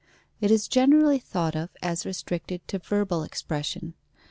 It is generally thought of as restricted to verbal expression.